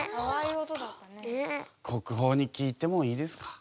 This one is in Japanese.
国宝に聞いてもいいですか？